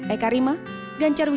eka rima ganjarwis